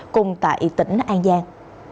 cùng tại tỉnh an giang